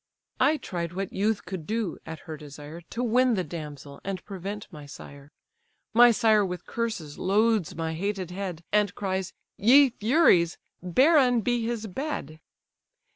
I tried what youth could do (at her desire) To win the damsel, and prevent my sire. My sire with curses loads my hated head, And cries, 'Ye furies! barren be his bed.